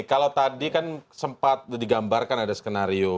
kalau tadi kan sempat digambarkan ada skenario